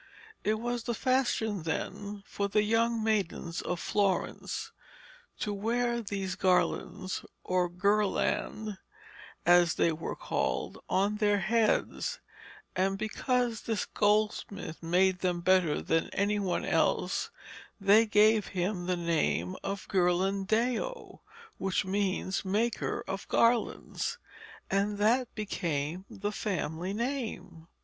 It was the fashion then for the young maidens of Florence to wear these garlands, or 'ghirlande' as they were called, on their heads, and because this goldsmith made them better than any one else they gave him the name of Ghirlandaio, which means 'maker of garlands,' and that became the family name.